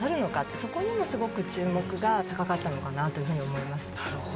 そこにもすごく注目が高かったのかなというふうに思います。